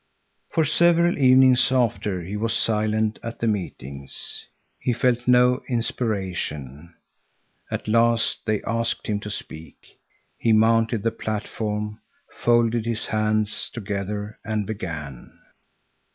For several evenings after he was silent at the meetings. He felt no inspiration. At last they asked him to speak. He mounted the platform, folded his hands together and began.